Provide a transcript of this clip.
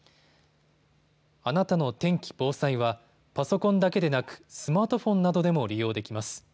あなたの天気・防災はパソコンだけでなく、スマートフォンなどでも利用できます。